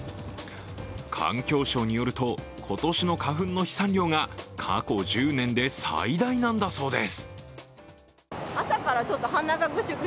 環境省によると、今年の花粉の飛散量が過去１０年で最大なんだそうです。